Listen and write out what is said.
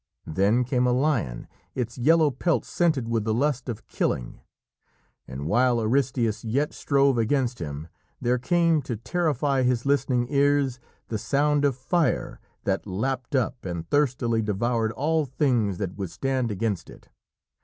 Then came a lion, its yellow pelt scented with the lust of killing, and while Aristæus yet strove against him there came to terrify his listening ears the sound of fire that lapped up and thirstily devoured all things that would stand against it.